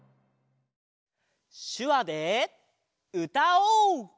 しゅわでうたおう！